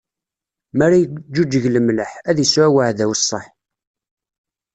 Mi ara iǧǧuǧeg lemleḥ, ad isɛu uɛdaw ṣṣeḥ.